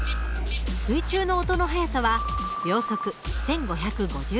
水中の音の速さは秒速１，５５０ｍ。